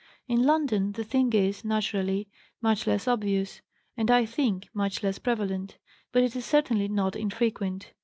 In London the thing is, naturally, much less obvious, and, I think, much less prevalent; but it is certainly not infrequent.